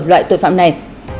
loại tội phạm này